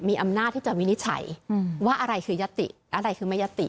มีอำนาจที่จะวินิจฉัยว่าอะไรคือยติอะไรคือไม่ยัตติ